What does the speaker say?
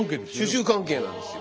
主従関係なんですよ。